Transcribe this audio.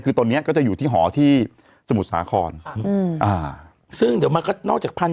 คือตอนเนี้ยก็จะอยู่ที่หอที่สมุทรสาครอืมอ่าซึ่งเดี๋ยวมันก็นอกจากพัน